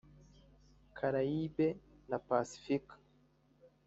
Carayibe na Pacifika